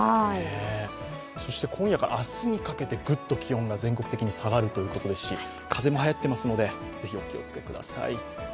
そして今夜から明日にかけてぐっと気温が全国的に下がるということですし風邪もはやっていますのでぜひ、お気をつけください。